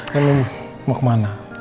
lalu mau kemana